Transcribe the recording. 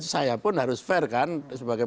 saya pun harus fair kan sebagai